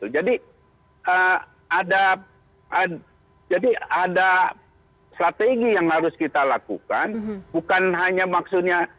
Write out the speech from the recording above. jadi ada strategi yang harus kita lakukan bukan hanya maksudnya